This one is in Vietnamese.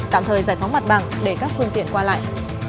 tạm thời giải phóng mặt bằng để các phương tiện qua lại